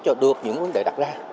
cho đường của bộ trưởng